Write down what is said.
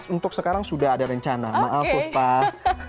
untuk sekarang sudah ada rencana maaf ustaz